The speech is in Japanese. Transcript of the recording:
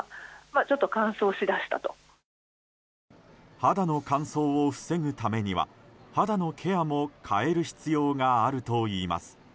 肌の乾燥を防ぐためには肌のケアも変える必要があるといいます。